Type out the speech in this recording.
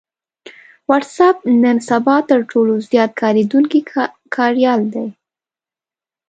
وټس اېپ نن سبا تر ټولو زيات کارېدونکی کاريال دی